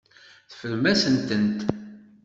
Teffrem-asent-tent.